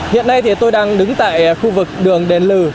hiện nay thì tôi đang đứng tại khu vực đường đền lừ